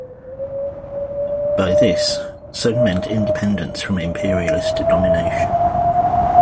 By this, Sun meant independence from imperialist domination.